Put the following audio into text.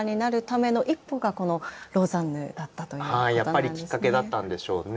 やっぱりきっかけだったんでしょうね。